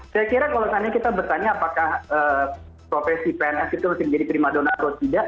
saya kira kalau kita bertanya apakah profesi pns itu masih menjadi prima dona atau tidak